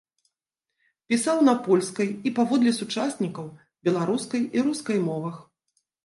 Пісаў на польскай і, паводле сучаснікаў, беларускай і рускай мовах.